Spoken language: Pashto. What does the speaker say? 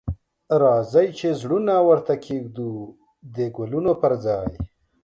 راځئ چې زړونه ورته کښیږدو د ګلونو پر ځای